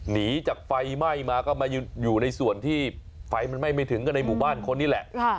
หนีจากไฟไหม้มาก็มาอยู่ในส่วนที่ไฟมันไหม้ไม่ถึงก็ในหมู่บ้านคนนี้แหละ